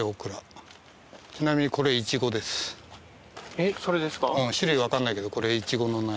えっそれですか？